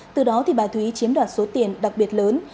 từ đó thì bà thúy chiếm đoạt số tiền đặc biệt lớn